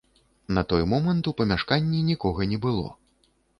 На той момант у памяшканні нікога не было.